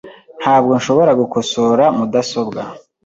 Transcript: Ntabwo nshobora gukosora mudasobwa.